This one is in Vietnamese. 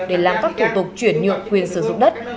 để làm các thủ tục chuyển nhượng quyền sử dụng đất